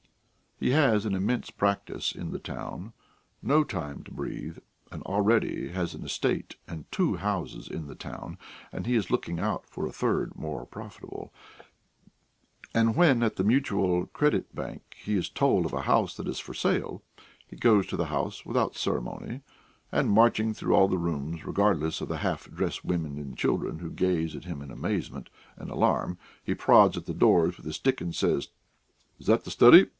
He has an immense practice in the town, no time to breathe, and already has an estate and two houses in the town, and he is looking out for a third more profitable; and when at the Mutual Credit Bank he is told of a house that is for sale, he goes to the house without ceremony, and, marching through all the rooms, regardless of half dressed women and children who gaze at him in amazement and alarm, he prods at the doors with his stick, and says: "Is that the study?